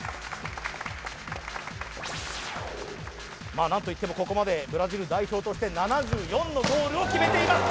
まあ何といってもここまでブラジル代表として７４のゴールを決めています